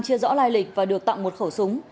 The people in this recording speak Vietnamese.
chia rõ lai lịch và được tặng một khẩu súng